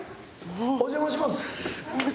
お邪魔します。